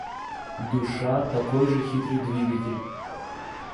Душа – такой же хитрый двигатель.